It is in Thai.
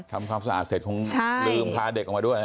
ทำความสะอาดเสร็จคงลืมพาเด็กออกมาด้วย